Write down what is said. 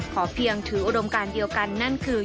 ขอเพียงถืออุดมการเดียวกันนั่นคือ